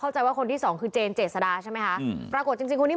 เข้าใจว่าคนที่๒คือเจนเจศดาใช่ไหมคะปรากฏจริงคนที่